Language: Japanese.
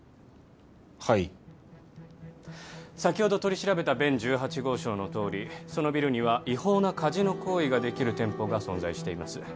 はい先ほど取り調べた弁１８号証のとおりそのビルには違法なカジノ行為ができる店舗が存在しています